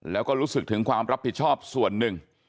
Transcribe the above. แล้วก็รู้สึกถึงความรับผิดชอบส่วนหนึ่ง